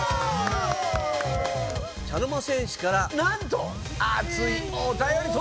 茶の間戦士からなんとあついお便りとどきました！